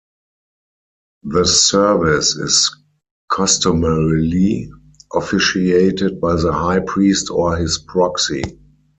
The service is customarily officiated by the high priest or his proxy.